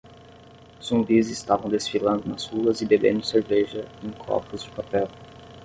Zumbis estavam desfilando nas ruas e bebendo cerveja em copos de papel.